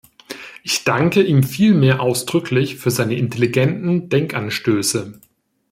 Ich danke ihm vielmehr ausdrücklich für seine intelligenten Denkanstöße.